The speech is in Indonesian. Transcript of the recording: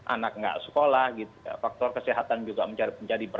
anak tidak sekolah faktor kesehatan juga menjadi problem mereka